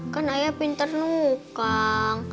kan ayah pintar nukang